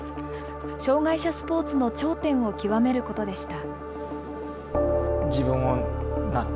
障害者スポーツの頂点を極めることでした。